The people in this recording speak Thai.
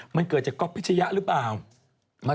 มันเกิดจากก๊อฟพิชยะหรือเปล่า